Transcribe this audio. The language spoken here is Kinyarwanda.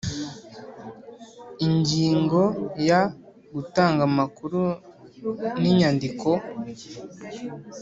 Ingingo ya gutanga amakuru n inyandiko